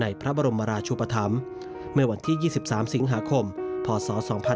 พระบรมราชุปธรรมเมื่อวันที่๒๓สิงหาคมพศ๒๕๖๒